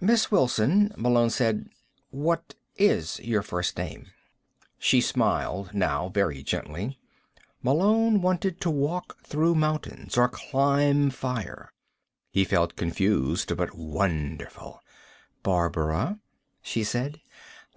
"Miss Wilson," Malone said, "what is your first name?" She smiled now, very gently. Malone wanted to walk through mountains, or climb fire. He felt confused, but wonderful. "Barbara," she said.